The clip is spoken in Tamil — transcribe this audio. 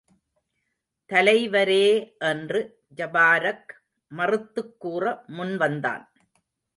தலைவரே! என்று ஜபாரக் மறுத்துக் கூற முன் வந்தான்.